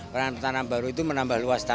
karena pertanaman baru itu menambah luasnya